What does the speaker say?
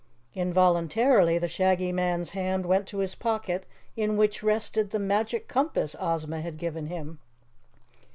Involuntarily the Shaggy Man's hand went to his pocket in which rested the Magic Compass Ozma had given him.